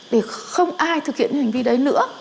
để không ai thực hiện những hành vi đấy nữa